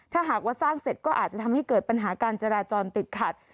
ถ้าหากว่าสร้างเสร็จก็อาจจะทำให้เกิดปัญหาการจราจรติดขัด